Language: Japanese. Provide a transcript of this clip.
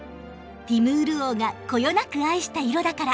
ティムール王がこよなく愛した色だから！